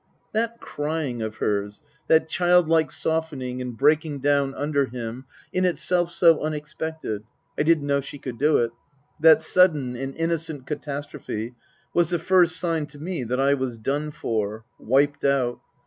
That crying of hers, that child like softening and breaking down under him, in itself so unexpected (I didn't know she could do it) , that sudden and innocent catastrophe, was the first sign to me that I was done for wiped out.